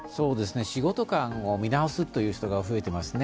仕事観を見直すという人が増えてますね。